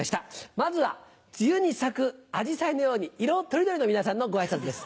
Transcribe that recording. まずは梅雨に咲くアジサイのように色とりどりの皆さんのご挨拶です。